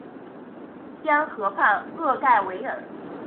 西安河畔厄盖维尔。